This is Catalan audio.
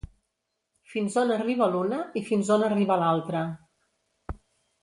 Fins on arriba l’una i fins on arriba l’altra.